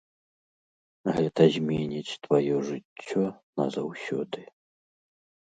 Гэта зменіць тваё жыццё назаўсёды.